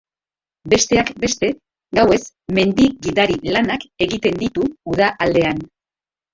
Besteak beste, gauez mendi gidari lanak egiten ditu uda aldean.